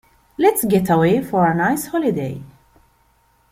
Let's get away for a nice holiday.